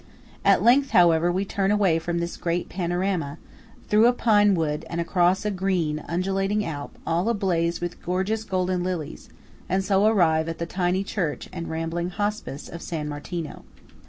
At length, however, we turn away from this great panorama, through a pine wood and across a green undulating Alp all ablaze with gorgeous golden lilies; and so arrive at the tiny church and rambling hospice of San Martino.